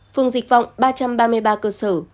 phường dịch vọng ba trăm ba mươi ba cơ sở